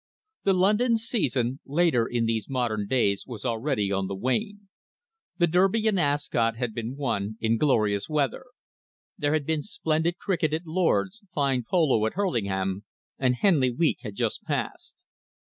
The London season, later in these modern days, was already on the wane. The Derby and Ascot had been won, in glorious weather. There had been splendid cricket at Lord's, fine polo at Hurlingham, and Henley Week had just passed.